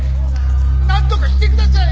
「なんとかしてください！」